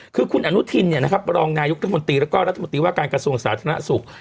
คือคุณอนุทินรองนายกรัฐมนตรีแล้วก็รัฐมนตรีว่าการกระทรวงสาธารณสุข